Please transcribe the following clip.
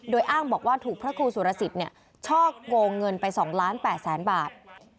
โดยอ้างบอกว่าถูกพระครูสุรสิทธิ์เนี่ยชอกโกงเงินไป๒๘๐๐๐๐๐บาท